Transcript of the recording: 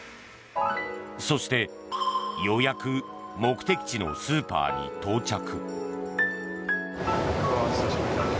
そして、ようやく目的地のスーパーに到着。